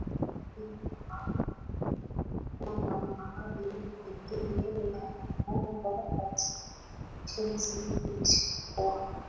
hizi haki kwa maana hakuna mahali pengine yanafunzwa katika nchi zetu isipokuwa